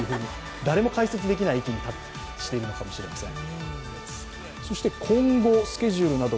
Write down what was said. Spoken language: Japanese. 誰も解説できない域に到達しているのかもしれません。